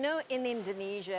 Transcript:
saya tahu di indonesia